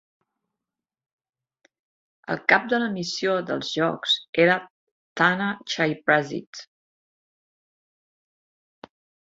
El cap de la missió dels jocs era Thana Chaiprasit.